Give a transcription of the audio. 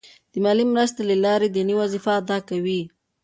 د مالي مرستې له لارې دیني وظیفه ادا کوي.